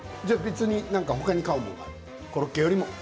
何か別に買うものがあるコロッケよりも。